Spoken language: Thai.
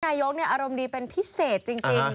นายกอารมณ์ดีเป็นพิเศษจริง